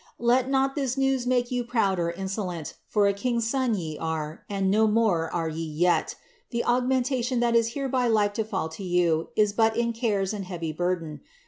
Let not this news* make you proud or insolent, for a king's son ye were, and BO more are yon jret ; the augmentation that is hereby like to fidl to yon is ba* is cares and heavy burden.